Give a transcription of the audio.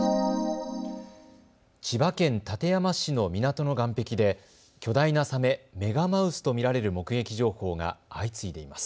千葉県館山市の港の岸壁で巨大なサメ、メガマウスと見られる目撃情報が相次いでいます。